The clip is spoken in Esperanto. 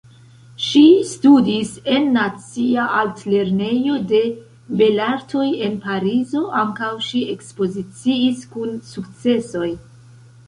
Ŝi studis en Nacia Altlernejo de Belartoj en Parizo, ankaŭ ŝi ekspoziciis kun sukcesoj.